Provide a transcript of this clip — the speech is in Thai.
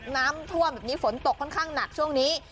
น้ำท่วมแบบนี้ฝนตกค่อนข้างหนักช่วงนี้